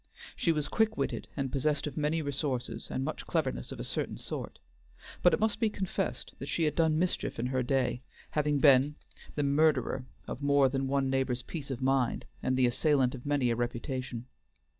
She was quick witted, and possessed of many resources and much cleverness of a certain sort; but it must be confessed that she had done mischief in her day, having been the murderer of more than one neighbor's peace of mind and the assailant of many a reputation.